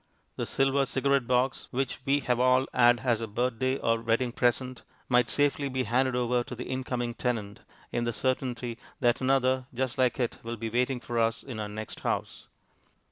The silver cigarette box, which we have all had as a birthday or wedding present, might safely be handed over to the incoming tenant, in the certainty that another just like it will be waiting for us in our next house.